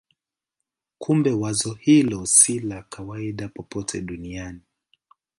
Kumbe wazo hilo si la kawaida popote duniani.